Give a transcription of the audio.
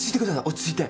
落ち着いて。